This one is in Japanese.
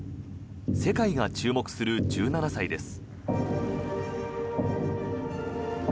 世界が注目する１７歳です。